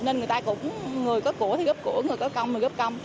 người có của thì gấp của người có công thì gấp công